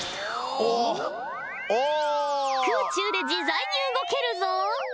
空中で自在に動けるぞ。